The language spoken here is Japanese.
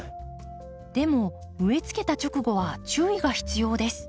でも植えつけた直後は注意が必要です。